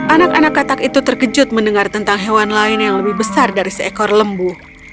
anak anak katak itu terkejut mendengar tentang hewan lain yang lebih besar dari seekor lembu